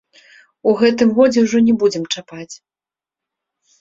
У гэтым годзе ўжо не будзем чапаць.